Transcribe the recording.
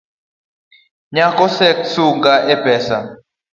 Nyako sek sunga e pesa.